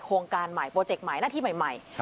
โครงการใหม่โปรเจกต์ใหม่หน้าที่ใหม่